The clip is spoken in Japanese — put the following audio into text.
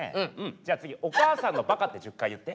じゃあ次「お母さんのバカ」って１０回言って。